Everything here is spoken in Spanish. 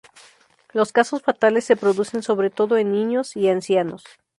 Los casos fatales se producen sobre todo en niños y ancianos.